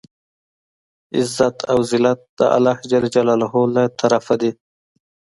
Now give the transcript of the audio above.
عزت او زلت د الله ج له طرفه دی.